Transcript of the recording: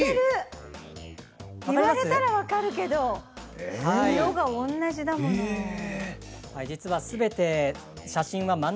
言われたら分かるけど色が同じだもん。